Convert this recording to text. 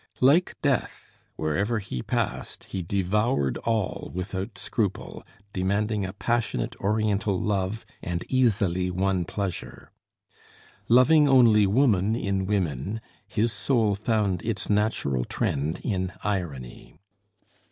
Like Death, wherever he passed, he devoured all without scruple, demanding a passionate, Oriental love and easily won pleasure. Loving only woman in women, his soul found its natural trend in irony.